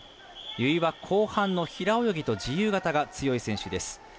由井は後半の平泳ぎと自由形が強い選手です。